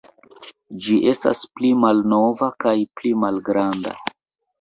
Ĝi estas pli malnova kaj pli malgranda.